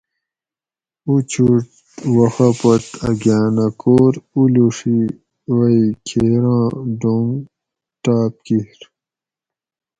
اوچھوٹ وخہ پت اۤ گاۤنہ کور اولوڛی ووئ کھیروں ڈنگ ٹاپ کِیر